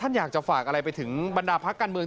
อยากจะฝากอะไรไปถึงบรรดาพักการเมือง